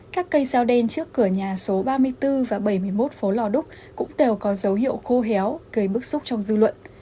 các cây dao đen trước cửa nhà số ba mươi bốn và bảy mươi một phố lò đúc cũng đều có dấu hiệu khô héo gây bức xúc trong dư luận